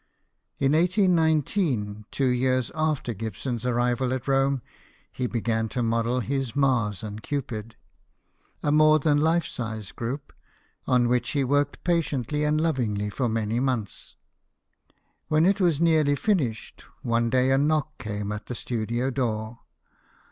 In 1819, two years after Gibson's arrival at Rome, he began to model his Mars and Cupid, a more than life size group, on which he worked patiently and lovingly for many months. When it was nearly finished, one day a knock came at the studio door.